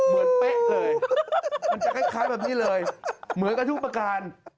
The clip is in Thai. มันจะคล้ายแบบนี้เลยเหมือนกับทูบประการ